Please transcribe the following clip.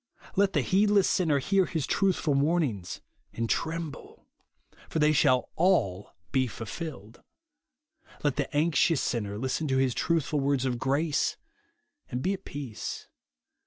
Let the heedless sinner hear his truthful warnings, and tremble ; for they shall all JESUS ONLY, 199 be fulfilled. Let the anxious sinner listen to his truthful words of gi'ace, and be at peace.